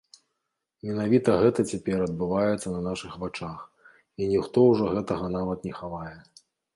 Менавіта гэта цяпер адбываецца на нашых вачах і ніхто ўжо гэтага нават не хавае.